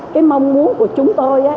cái mong muốn của chúng tôi